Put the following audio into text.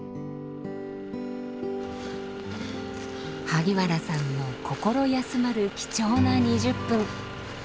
萩原さんの心休まる貴重な２０分。